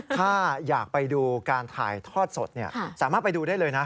ถ้าอยากไปดูการถ่ายทอดสดสามารถไปดูได้เลยนะ